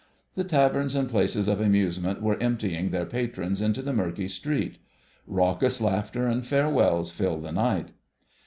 The taverns and places of amusement were emptying their patrons into the murky street. Raucous laughter and farewells filled the night.